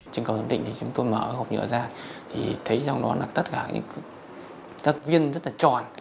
trên cầu giám định thì chúng tôi mở gọc nhựa ra thì thấy trong đó là tất cả các viên rất là tròn